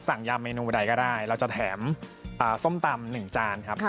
สั่งยามเมนูใดก็ได้เราจะแถมส้มตำหนึ่งจานครับ